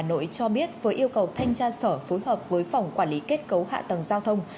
hà nội cho biết vừa yêu cầu thanh tra sở phối hợp với phòng quản lý kết cấu hạ tầng giao thông